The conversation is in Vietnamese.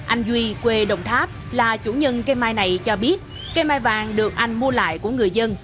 anh duy quê đồng tháp là chủ nhân cây mai này cho biết cây mai vàng được anh mua lại của người dân